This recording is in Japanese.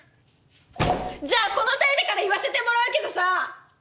じゃあこの際だから言わせてもらうけどさ！